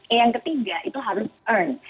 e yang ketiga itu harus firm